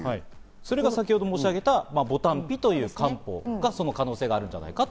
それが先ほど申し上げたボタンピという漢方、それが可能性があるんじゃないかと。